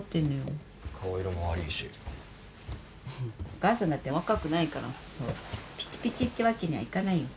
お母さんだって若くないからそうピチピチってわけにはいかないよ。